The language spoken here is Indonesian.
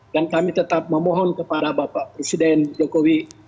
dan kami tetap memohon kepada bapak presiden jokowi